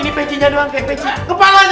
ini pecinya doang kayak peci kepalanya